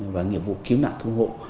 và nghiệp vụ kiếm nản kêu hộ